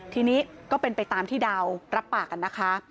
ทีนี้ก็เป็นไปตามที่ดาวรับปากกันนะคะ